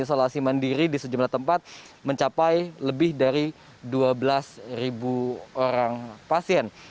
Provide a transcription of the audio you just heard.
isolasi mandiri di sejumlah tempat mencapai lebih dari dua belas orang pasien